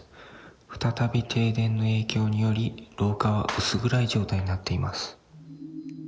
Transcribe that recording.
再び停電の影響により、廊下は薄暗い状態になっています。